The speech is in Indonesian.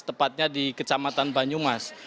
tepatnya di kecamatan banyumas